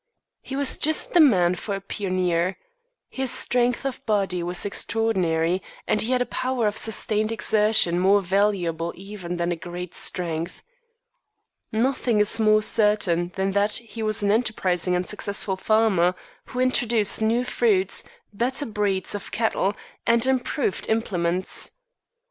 He was just the man for a pioneer. His strength of body was extraordinary, and he had a power of sustained exertion more valuable even than great strength. Nothing is more certain than that he was an enterprising and successful farmer, who introduced new fruits, better breeds of cattle, and improved implements.